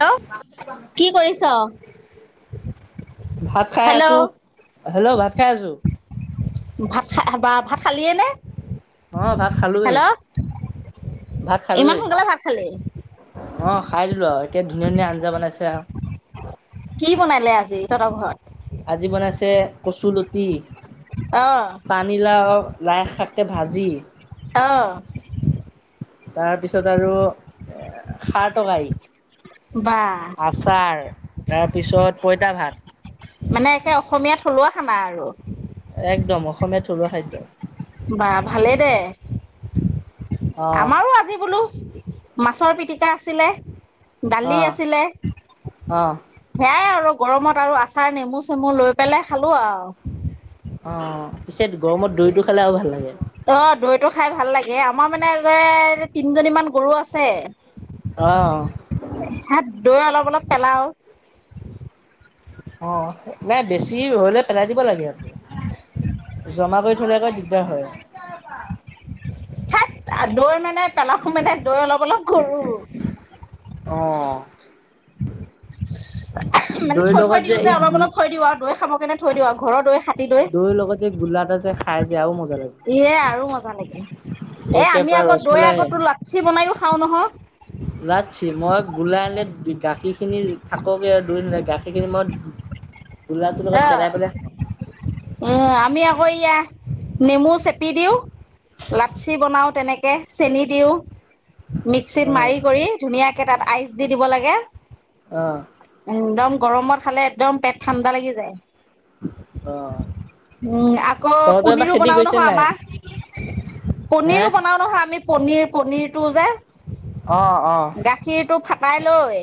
Hello কি কৰিছ? ভাত খাই আছো হেল্ল' হেল্ল' ভাত খাই আছো। ভাত খাবা ভাত খালিয়ে নে? অ' ভাত খালোৱেই হেল্ল' ভাত ইমান খালোৱেই সোনকালে ভাত খালি? অ' খাই দিলো আৰু এতিয়া ধুনীয়া -ধুনীয়া আঞ্জা বনাইছে আৰু। কি বনালে আজি তহঁতৰ ঘৰত। আজি বনাইছে কচুলতি। অ' পানী লাও। লাইশাকে ভাজি। অ' তাৰপিছত আৰু খাৰ টৰকাৰী বা তাৰপিছত পঁইতা ভাত। মানে একে অসমীয়া থলুৱা খানা আৰু। একদম অসমীয়া থলুৱা খাদ্য। বা, ভালে দে। অ আমাৰো আজি বোলো মাছৰ পিটিকা আছিলে, অ দালি আছিলে অ সেয়াই আৰু। গৰমত আৰু আচাৰ নেমু-চেমু লৈ পেলাই খালোঁ আৰু। পিছত গৰমত দৈ টো খালেও ভাল লাগে। অ দৈ টো খাই ভাল লাগে। আমাৰ মানে তিনজনীমানান গৰু আছে। আহ। দৈ অলপ, অলপ পেলাওঁ। অ। নাই বেছি হলে পেলাই দিব লাগে। জমা কৰি থলে আকৌ দিগদাৰ হয়। থাত দৈ মানে নাই পেলাও মানে দৈ অলপ অলপ কৰোঁ। অঁ। [unintelligible] মানে দৈৰ থৈ-থৈ লগত দিওঁ যে এই অলপ গোল অলপ থৈ দিওঁ আৰু মানে দৈ খাব কেনে থৈ দিওঁ আৰু ঘৰৰ দৈ হাতী দৈৰ লগত যে গোলা এটা যে দৈ। খাই যে আৰু মজা লাগে। এ আৰু মজা লাগে। এ আমি একেবাৰে আগত দৈ আগতো লাকসী বনাই ও খাও নহয়। যাছি মই গোলাই আনিলে গাখীৰখিনি থাককে আৰু দুই দৈ গাখীৰখিনি মই গোলাটোৰ লগত অ' পেলাই পেলাই এ আমি আকৌ এয়া, নেমু চেপি দিওঁ। লাচ্চি বনাওঁ। তেনেকে, চেনি দিওঁ। মিক্সিত খাওঁ। মাৰি-কৰি ধুনীয়াকে। কেইটাত আইচ দি দিব লাগে। অ'। একদম গৰমত খালে একদম পেট ঠাণ্ডা লাগি যায়। যায়। অ', অ', উম, আকৌ তহঁতৰ এবাৰ পনীৰো খেতি বনাও কৰিছে নহয় নাই আমাৰ, হে? পনিৰো বনাও নহয় আমি পনিৰ। পনীৰটো যে, অ', অ', গাখীৰটো ফাটাই লৈ,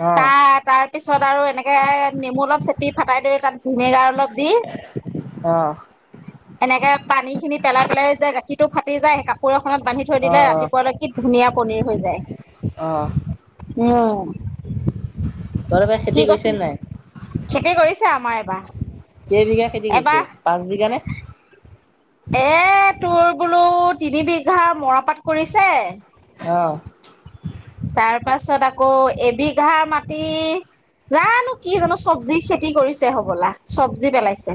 অ'। অ', তাৰ তাৰ পিছত আৰু এনেকে নেমু অলপ চেপি সি ফাটাই দৈ ভিনেগাৰ অলপ দি অ', এনেকে পানী খিনি পেলাই পেলাই যায়। গাখীৰতো ফাটি যায় কাপোৰ ত বান্ধি থৈ দিলে অ', ৰাতিপুৱালৈ কি ধুনীয়া পনীৰ হৈ যায়। অ', উ'ম! তহঁতৰ এবাৰ কি? খেতি কৰিছে কৈছিলি নাই? খেতি কৰিছি কৰিছে আমাৰ এইবাৰ। কেই বিঘা খেতি কৰিছে পাঁচ বিঘা নে এ! তোৰ বোলোঁ তিনি বিঘা মৰাপাত কৰিছে। অ'হ। তাৰ পাছত আকৌ এবিঘা মাটি জানো কি জানো চবজি খেতি কৰিছে হব'লা চবজি পেলাইছে।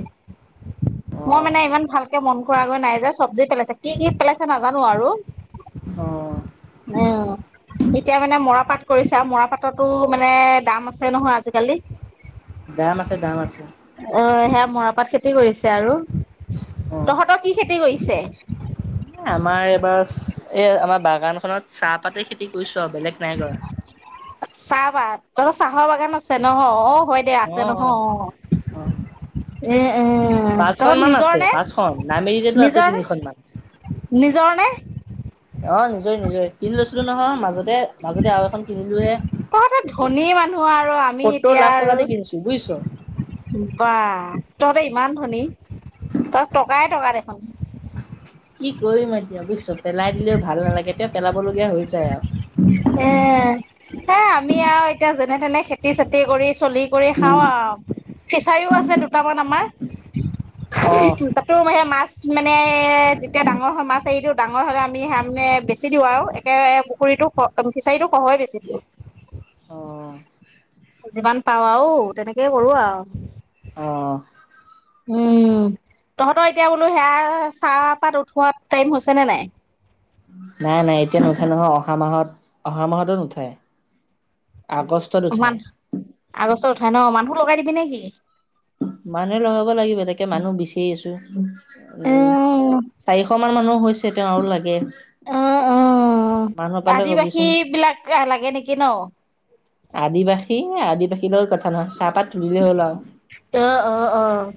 মই মানে ইমান ভালকে মন কৰাগৈ নাই যে চব্জি পেলাইছে। কি, কি পেছ নাজানো আৰু অ', উম! এতিয়া মানে মৰাপাট কৰিছে আৰু মৰাপাটতো মানে দাম আছে নহয় আজিকালি। দাম আছে দাম আছে অ' সেয়া মৰাপাট খেতি কৰিছে আৰু অ'। তহঁত কি খেতি কৰিছে? এ! আমাৰ বাগান খনত চাহপাতে খেতি কৰিছোঁ। বেলেগ নাই কৰা। চাহপাত তহঁতৰ চাহৰ বাগান আছে নহ হয় দে অ আছে অ নহয়, অ' এ এ তহঁতৰ পাঁচখনমান নিজৰ আছে নে পাঁচখন নামেৰিতে আছে নিজৰ নে তিনিখন মান। নিজৰ নে অ', নিজৰেই নিজৰেই কিনি লৈছিলোঁ নহয় মাজত। তহঁতে ধনী মানুহ আৰু আমি সত্তৰ এতিয়া লাখ টকা দি কিনিছো বুজিছ। আৰু বা তহঁতে ইমান ধনী তহ টকাই টকা দেখ খুন। কি কৰিম এতিয়া বুইছ। চব পেলাই দিলেও ভাল নালাগে এতিয়া পেলাব লগীয়া হৈ যায় আৰু। এ হে আমি আৰু এতিয়া যেনে-তেনে খেতি-চেতি কৰি চলি কৰি খাওঁ ফিচাৰিও আছে দুটামান আমাৰ, অ। তাতো হে মাছ মানে যেতিয়া ডাঙৰ হয় মাছ এৰি দিওঁ ডাঙৰ হলে আমি মানে বেছি দিওঁ আৰু একে পুখুৰীটো খ ফিচাৰীটো সহে বেছি দিওঁ অ'। যিমান পাওঁ আৰু তেনেকেই কৰোঁ আৰু। অ'। উম! তহঁতৰ এতিয়া বোলো সেয়া চাহপাত উঠোৱা টাইম হৈছে নে নাই? নাই নাই এতিয়া নুঠে নহয় অহা মাহত অহা মাহতো নুঠায়। আগষ্টত কিমান উঠাই আগষ্টত ন মানুহ লগাই দিবি নেকি? মানুহে লগাব লাগিব তাকে মানুহ বিচাৰি আছো। উম উম চাৰিশ মান মানুহ হৈছে। তেতিয়াও লাগে। আহ উ মানুহ পালে আদিবাসী কবিচোন বিলাক আহ লাগে নেকি ন? এ আদিবাসী বাৰু কথা নাই চাহপাত তুলিলেই হ'ল আৰু। অহ অ' অ'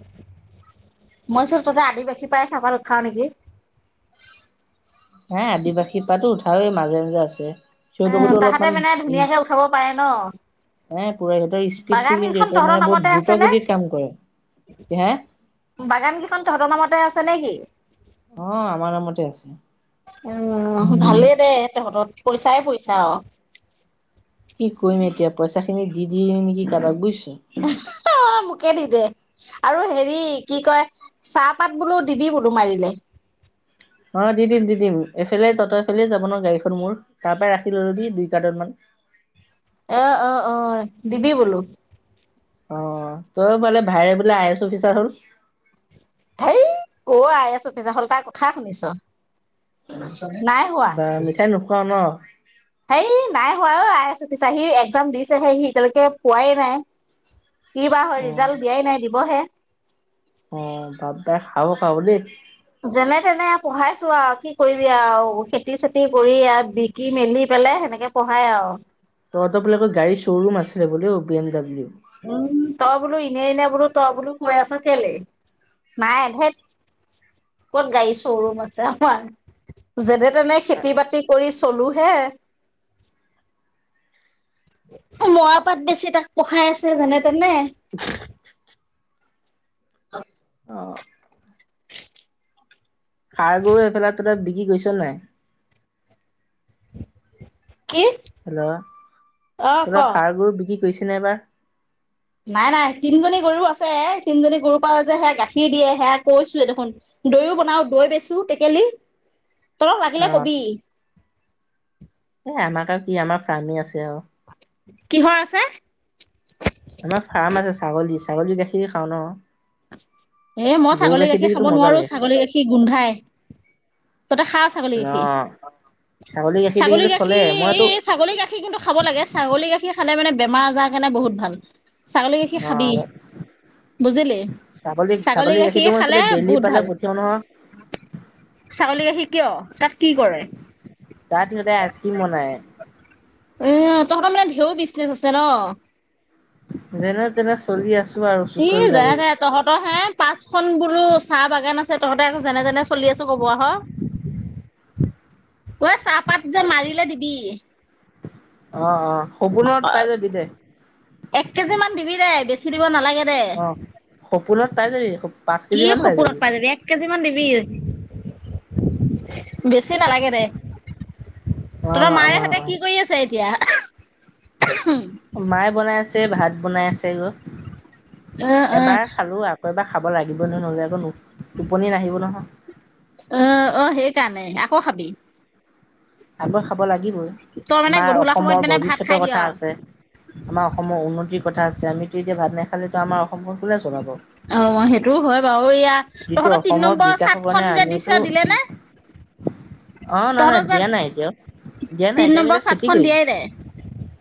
মই চোন তাতে আদিবাসী পাই চাহপাত উথাও নেকি? হে আদিবাসীৰ পৰাতো উঠাওয়ে মাজে মাজে আছে। উম সিহঁতকোতো তাহাতে অলপমান মানে ধুনীয়াকে উঠাব পাৰে ন হে পুৰা সিহঁতৰ স্পীডটো বাগান কিন্তু কেইখন সিহঁতৰ তহঁতৰ মানে বহুত নামতে দ্ৰুত আছে ন গতিত কাম কৰে হে বাগান কেইখন তহঁতৰ নামতে আছে ছে নে কি? অ' আমাৰ নামতে আছে। উম ভালেই দে তহঁতৰ পইচাই পইচা। কি কৰিম এতিয়া পইচা খিনি দি দিম নেকি কাৰোবাক বুজিছ। হা। মোকে দি দে আৰু হেৰি কি কয় চাহপাত বোলো দিবি বোলো মাৰিলে। অ' দি দিম দি দিম এইফালে তহতৰ এফালে যাব ন গাড়ীখন মোৰ তাৰ পৰাই ৰাখি লৈলবি দুই কাৰ্টন মান। অ', অ', অ', দিবি বোলো। অ তই বোলে ভাইৰে বোলে আই এছ অফিচাৰ হল? ধেই কৰ আই এছ অফিচাৰ হ'ল তাৰ কথা শুনিছ। নাই বাঃ মিঠাই নোখোৱাও ন। হে নাই হোৱা আই এছ অফিচাৰ সি ইস্কাম দিছেহে সি এতিয়ালৈকে পোৱাই নাই। কি বা হয় অ ৰিজাল্ট দিয়াই নাই দিবহে। অ ভাপ দাই খাব খাব দেই। যেনে তেনে পঢ়াইছো আৰু কি কৰিবি আৰু খেতি চেতি কৰি আৰু বিকি মেলি পেলাই সেনেকে পঢ়াই আৰু। তহতৰ বোলে আকৌ গাড়ী শ্বৰুম আছে বুলি অ বি এম ডাব্লিউ। উম তই বোলো ইনে এনে বোলো তই বোলো কৈ আছ কেলে নাই ধেৎ ক'ত গাড়ী শ্বৰুম আছে আমাৰ যে, খেতি বাতি কৰিছো। চলো হে। মৰা পাত বেছি তাক পঢ়াই আছে যেনে তেনে। [unintelligible] অ [unintelligible] অ'। [unintelligible] খাৰ গৰু এইফালা তো [unintelligible] কি গৈছ নাই। কি হেল্ল'! অ ক তহঁতৰ ষাঁড় গৰু বিকি শুইছে নে এইবাৰ, নাই নাই তিনিজনী গৰু আছে এ তিনজনী গৰুৰ পৰা যে সে গাখীৰ দিয়ে সেয়া কৈছোৱে দেখোন দৈও বনাও দৈ বেছো টেকেলি। তহঁতক অ লাগিলে কবি। এ আমাক কি আমাৰ ফ্ৰামি আছে আও। কিহৰ আছে? আমাৰ ফাৰ্ম আছে ছাগলী। ছাগলী গাখীৰ খাওঁ ন। এ মই গৰু ছাগলী গাখীৰটো গাখীৰ খাব কিন্তু মজা নোৱাৰো লাগে খাই ছাগলী গাখীৰ গোন্ধাই, তহঁতে খাওঁ ছাগলী অ গাখীৰ? গাখীৰটো ছাগলী কিন্তু চলে গাখীৰ মইতো এই ছাগলী গাখীৰ কিন্তু খাব লাগে ছাগলী গাখীৰ খালে মানে বেমাৰ আজাৰৰ কাৰণে বহুত ভাল। ছাগলী গাখীৰ অ খাবি বুজিলি? ছাগলী গাখীৰটো গাখীৰ মই খালে এইফালে দেলহি বহুত পালে ভাল, পঠিয়াও নহয় ছাগলী গাখীৰ কিয় তাত কি কৰে? তাত সিহঁতে আইচক্ৰীম বনাই ইহ তহঁতৰ মানে ঢেউ বিচনেচ আছে ন? যেনে তেনে চলি আছো - ইহ যেনেতেনে তহঁতৰ হে পাঁচ খন বোলো চাহ বাগান আছে তহঁতে আকৌ যেনেতেনে চলি আছো ক'ব আহ। ঐ চাহপাত যে মাৰিলে দিবি। অ অ সপোনত পাই যাবি দে। এক কেজি মান দিবি দে বেছি দিব নালাগে দে অ', সপোনত পায় যাবি সপো কি সপোনত পাই যাবি? এক কেজি মান দিবি। বেছি নালাগে দে, তহঁতৰ আমাৰ আমাৰ মায়েহঁতে কি কৰি আছে এতিয়া? মায়ে বনাই আছ ভাত বনাই আছে গৈ অ অ এবাৰ খালোঁ, আকৌ এবাৰ খাব লাগিব নহয় নহ'লে আকৌ নো অ', অ', হেইকাৰণে আক [unintelligible] খাবি আকৌ খাব লাগ লাগিবই, তই মানে আমাৰ গধূলা সময়ত অসমৰ মানে ভাত খাই ভৱিষ্যতৰ দিয় কথা আছে, আমাৰ অসমৰ উন্নতিৰ কথা আছে, আমিতো এতিয়া ভাত নেখা [unintelligible] আমাৰ অসমখন কোনে চলাব অ', সেইটোও হয়, বাৰু ইয়া যিটো অসমৰ বিকাশৰ কাৰণে আমিয়োতো দিলে নে অ', নাই, তহঁতৰ নাই যে দিয়া নাই এতিয়াও, দিয়া নাই তিন এতিয়া আমি নম্বৰ তাত খেতি চাটখন কৰিম। দিয়াই নাই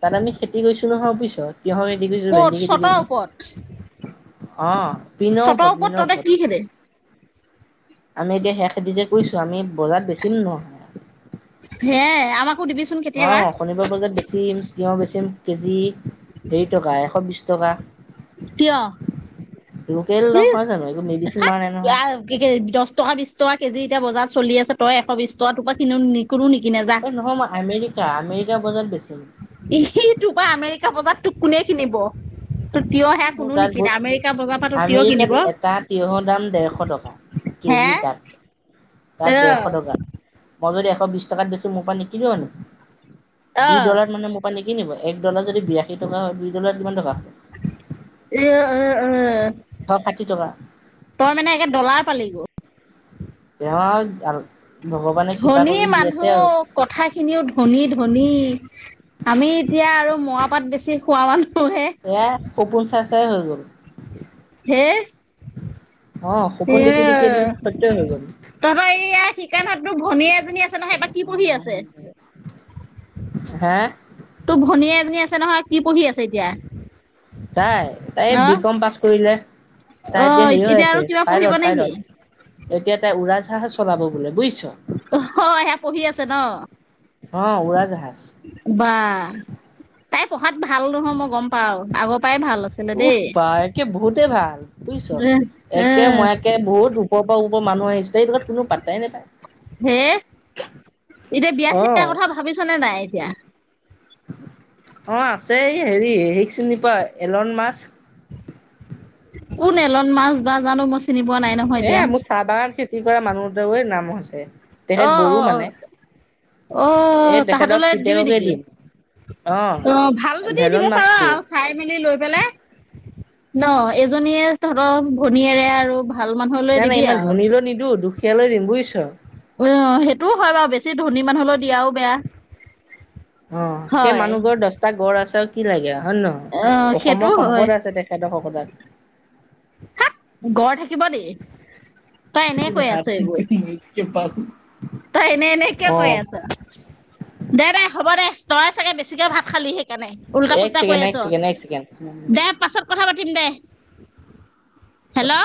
তাত আমি খেতি কৰিছোঁ নহয়, বুইছ। তিয়ঁহৰ খেতি কৰিছোঁ, ক'ত ভেন্দি খেতি চটৰ কৰিছোঁ। অ'। চতৰ ওপৰত তহঁতে [unintelligible] আমি এতিয়া সেইয়া যে, কৰিছোঁ আমি বজাৰত বেছিম ন হে আমাকো দিবিচোন কেতিয়াবা [unintelligible] শনিবাৰ বজাৰত বেছিম, তিয়ঁহ বেছি [unintelligible] কেজি হেৰি টকা এশ বিশ টকা কিয়? লোকেল নহয় জানো একো মেডিচিন [unintelligible] মাৰা নাই নহয়। দচ টকা, বিচ টকা কেজি এতিয়া বজাৰ চলি আছে তই এশ বিশ টকা তোপা কিনিও [unintelligible] এই নহয় মই আমেৰিকা, আমে [unintelligible] তোৰ পৰা আমেৰিকা বজা তোক কোনে কিনিব? তোৰ তিয়হ হে কোনো মোৰ তাত নিকিনে [unintelligible] আমেৰিকা বজাৰ পৰা তোৰ তিয়হ কিনিব আমেৰিকাত এটা তিঁয়হৰ দাম দেৰশ টকা। হে কেজি তাত, অ তাত দেৰশ টকা মই যদি এশ শ, বিছ টকাত বেচোঁ মোৰ পৰা নিকিনিব নেকি? দুই ডলাৰ মানে মোবাইলে [unintelligible] কি নিব এক ডলাৰ যদি বিৰাশী টকা হয়, দুই ডলাৰ কিমান টকা হয়। এয়া অহ ', - অহ হ'ব এশ ষাঠি টকা ', তই মানে একে ডলাৰ পালিগৈ। [inaudible] এ আৰু ধনী মানুহ কথাখিনিও ধনী - ধনী আমি এতিয়া আৰু মৰা পাত বেছি বেচি খোৱা মানুহ। এ কপোন চা [unintelligible] জয় হয়ং গু [unintelligible] হে, অ এ সপোন দেখি দেখি এদিন সত্যই হৈ গ'ল তহত এইয়া শিকনাটো ভনীয়ে এজনী আছে নহয় এইবা কি পঢ়ি আছে। [unintelligible] হেহ। তোৰ ভনীয়ে এজনী আছে নহয় কি পঢ়ি আছে এতিয়া। তাই -তাই বি কম পাছ কৰিলে। তাই অহ হেৰি ', হৈ এতিয়া আছে আৰু কিবা পঢ়িব পাইলট নেকি? পাইলট এতিয়া তাই উৰা জাহাজ চলাব বোলে বুইচ। অহ ', সেয়া পঢ়ি আছে ন। অহ ', উৰা জাহাজ। বা তাই পঢ়াত ভাল নহয় মই গম পাও আগত উফ, পা একে বহুতে ভা বুজিছ এ এ একে মই একে বহুত ওপৰৰ পৰা। মানুহ আহিছ। হে, এতিয়া বিয়া অ চিয়া কথা ভাবিছনে নাই? তিয়া। অহ ', আছে এই হেৰি হেৰীক চিনি পোৱা এলন মাছ। কোন এলন মাছ। জা জানো মোচ। এ মোৰ চাদাৰ খেতি কৰা মানুহ দবৈ নাম মোহচ। ছে। অহ ', - অহ ', - অহ ', - অহ এই ', তেখেতৰ তাহতলৈ দিবি পিতেককে নেকি, দিম অ অহ ', ভাল যদি দিব ভেলন পাৰ আৰু মাছকুট চাই মেলি লৈ পেলাই ন? এজনীয়ে তহঁতৰ ভনীয়েৰে আৰু। ভাল মানুহলৈ নাই- নাই দিবি ইমান আৰু ধনী লৈ নিদো দো কেলৈ দিম বুই চ। অহ ', সেইটোও হয় বাৰু বেছি ধনী মানুহ হলেও দিয়াও। বেয়া অহ ', সেই হয় মানুহ ঘড দচটা গড় আছে আৰু কি লাগে হয় নে নহয়, অ সেইটো অসমৰ সম্পদ আছে তেখেতক। শুদাক। হাত গড় থাকিব ই, তই এনে কৈ আছ এইবোৰ তই এনে - এনে কিয় অ কৈ আছ? দে- দে হ'ব দে, তই। চাগে বেছিকে ভাত খালি সেইকাৰণে এক উল্টা-ফুল্টা কৈ ছেকেণ্ড এক আছ, ছেকেণ্ড এক ছেকেণ্ড দে পাছত কথা পাতি। পাতিম দে। হেল্ল',